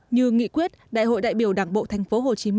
như nghị quyết đại hội đại biểu đảng bộ tp hcm